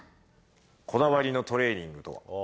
こだわりのトレーニングとは？